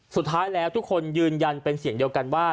สุดท้ายแล้วทุกคนยืนยันเป็นเสียงเดียวกันว่า